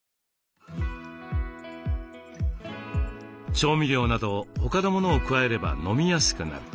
調味料など他のものを加えれば飲みやすくなる。